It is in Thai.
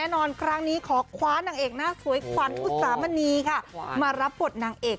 น้องครั้งนี้ขอฮวัสหนังเอกหน้าสวยควันอุตสาหรรณีมารับบทหนังเอก